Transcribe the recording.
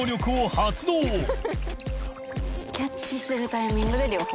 キャッチするタイミングで両方。